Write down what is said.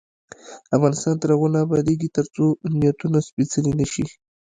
افغانستان تر هغو نه ابادیږي، ترڅو نیتونه سپیڅلي نشي.